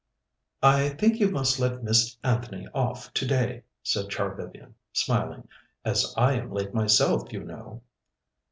"I think you must let Miss Anthony off today," said Char Vivian, smiling. "As I am late myself, you know."